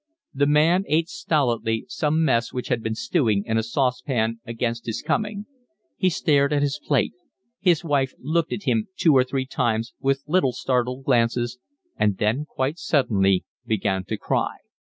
The man ate stolidly some mess which had been stewing in a sauce pan against his coming; he stared at his plate; his wife looked at him two or three times, with little startled glances, and then quite silently began to cry.